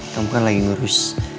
kamu kan lagi ngurus